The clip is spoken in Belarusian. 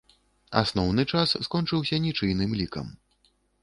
Асноўны час скончыўся нічыйным лікам.